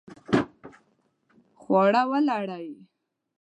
خواړه ولړئ